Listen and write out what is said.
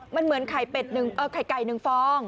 มันเหมือนไข่ไก่หนึ่งฟอง